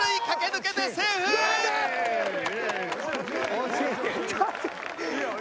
惜しい。